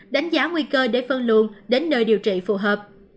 đánh giá nguy cơ để phân luồn đến nơi điều trị phù hợp